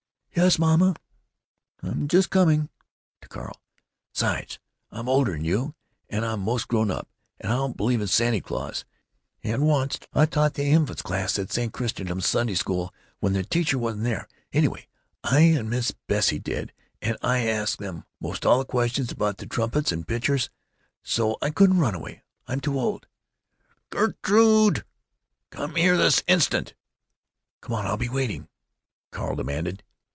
"Yes, mamma, I'm just coming." To Carl: "'Sides, I'm older 'n you and I'm 'most grown up, and I don't believe in Santy Claus, and onc't I taught the infant class at St. Chrysostom's Sunday school when the teacher wasn't there; anyway, I and Miss Bessie did, and I asked them 'most all the questions about the trumpets and pitchers. So I couldn't run away. I'm too old." "Gerrrtrrrude, come here this instant!" "Come on. I'll be waiting," Carl demanded.